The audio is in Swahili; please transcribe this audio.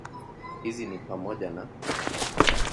Hizi ni pamoja na